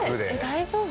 大丈夫？